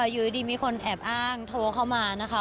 อยู่ดีมีคนแอบอ้างโทรเข้ามานะคะ